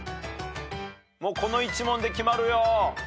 この１問で決まるよ。